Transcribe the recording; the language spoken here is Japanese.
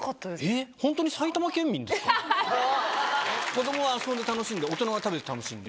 子供は遊んで楽しんで大人は食べて楽しんで。